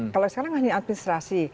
kalau sekarang hanya administrasi